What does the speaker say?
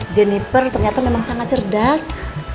jenniper ternyata memang sangat cerdas